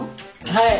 はい。